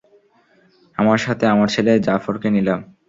আমার সাথে আমার ছেলে জাফরকে নিলাম।